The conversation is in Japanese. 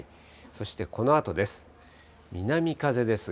そしてこのあとです。